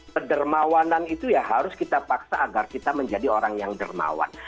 kedermawanan itu ya harus kita paksa agar kita menjadi orang yang dermawan